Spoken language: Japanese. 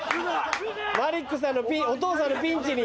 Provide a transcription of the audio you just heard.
マリックさんのお父さんのピンチに。